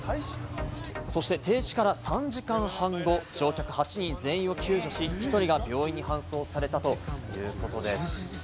そして停止から３時間半後、乗客８人全員を救助し、１人が病院に搬送されたということです。